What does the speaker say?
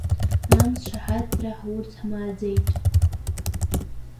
Амц шаҳаҭра ҳурц ҳмааӡеит.